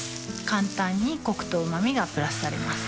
簡単にコクとうま味がプラスされます